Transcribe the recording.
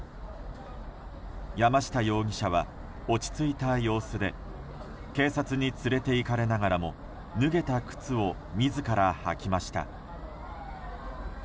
山下容疑者は落ち着いた様子で警察に連れていかれながらも脱げた靴を自ら履きました。